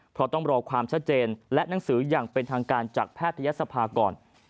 เพราะต้องรอความชัดเจนและหนังสืออย่างเป็นทางการจากแพทยศภาก่อน